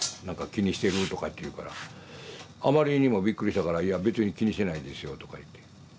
なんか気にしてる？とかって言うからあまりにもびっくりしたからいや別に気にしてないですよとか言って。